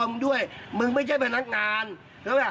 เออเดี๋ยวคุณจัดให้เดี๋ยวคุณได้ดังเลย